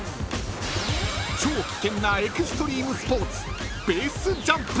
［超危険なエクストリームスポーツ］